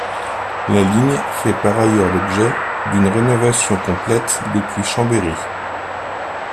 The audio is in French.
La ligne fait par ailleurs l'objet d'une rénovation complète depuis Chambéry.